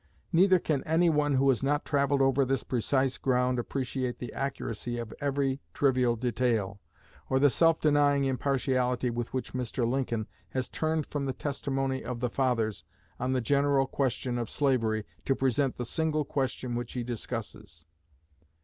Neither can any one who has not travelled over this precise ground appreciate the accuracy of every trivial detail, or the self denying impartiality with which Mr. Lincoln has turned from the testimony of 'the fathers' on the general question of slavery to present the single question which he discusses.